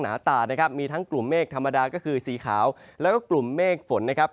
หน้าตานะครับมีทั้งกลุ่มเมฆธรรมดาก็คือสีขาวแล้วก็กลุ่มเมฆฝนนะครับ